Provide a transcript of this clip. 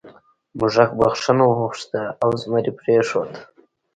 موږک بخښنه وغوښته او زمري پریښود.